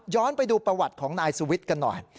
ไปดูประวัติของนายสุวิทย์กันหน่อย